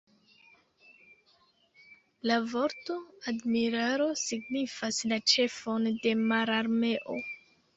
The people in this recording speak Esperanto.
La vorto "admiralo" signifas la ĉefon de mararmeo.